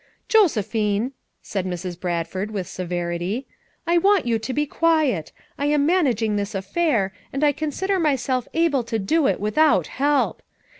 " Josephine,' ' said Mrs. Bradford with severity, "I want you to be quiet; I am manag ing this affair, and I consider myself able to do it without help.